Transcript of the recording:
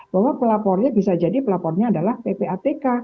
bahwa pelapornya bisa jadi pelapornya adalah ppatk